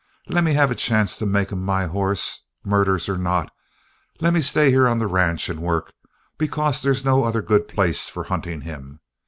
"Lemme have a chance to make him my hoss, murders or not! Lemme stay here on the ranch and work, because they's no other good place for hunting him.